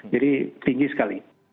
jadi tinggi sekali